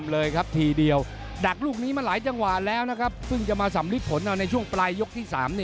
แล้วนะครับซึ่งจะมาสำริปผลเอาในช่วงปลายยกที่๓นี่เอง